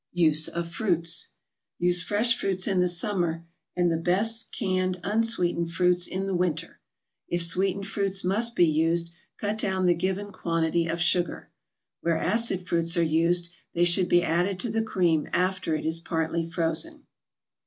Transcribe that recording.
USE OF FRUITS Use fresh fruits in the summer and the best canned unsweetened fruits in the winter. If sweetened fruits must be used, cut down the given quantity of sugar. Where acid fruits are used, they should be added to the cream after it is partly frozen.